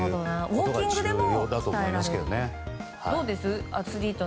ウォーキングでも鍛えられると。